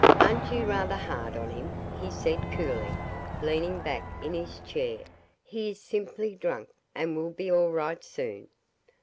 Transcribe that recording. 'Aren't you rather hard on him?' he said, coolly, leaning back in his chair; 'he is simply drunk, and will be all right soon.